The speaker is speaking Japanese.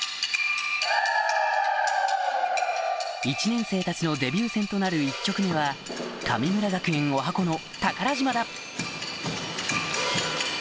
１年生たちのデビュー戦となる１曲目は神村学園おはこの